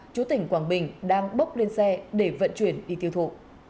chú tỉnh quảng bình đang bốc lên xe để vận chuyển đi tiêu thụ